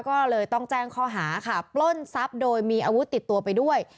ก็เลยต้องแจ้งข้อหาค่ะปล้นทรัพย์โดยมีอาวุธติดตัวไปด้วย